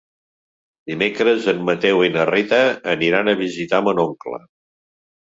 Dimecres en Mateu i na Rita aniran a visitar mon oncle.